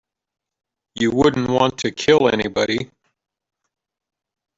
You wouldn't want to kill anybody.